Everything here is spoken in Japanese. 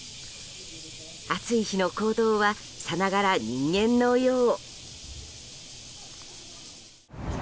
暑い日の行動はさながら人間のよう。